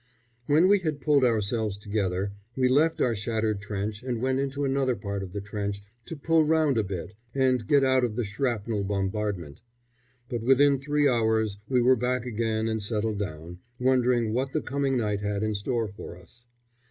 When we had pulled ourselves together we left our shattered trench and went into another part of the trench, to pull round a bit and get out of the shrapnel bombardment. But within three hours we were back again and settled down, wondering what the coming night had in store for us.